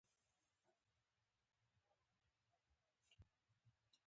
خدۍ د ناصرو او سلیمان خېلو د بدۍ سرچینه وه.